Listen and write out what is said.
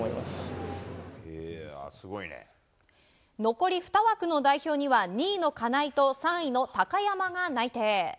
残り２枠の代表には２位の金井と３位の高山が内定。